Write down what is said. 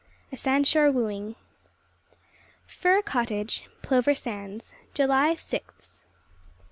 A Sandshore Wooing Fir Cottage, Plover Sands. July Sixth.